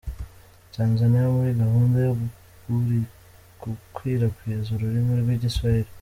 Tanzaniya muri gahunda yo gukwirakwiza ururimi rw’Igiswahili